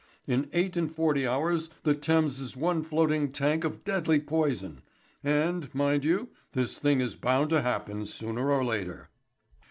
In eight and forty hours the Thames is one floating tank of deadly poison. And, mind you, this thing is bound to happen sooner or later."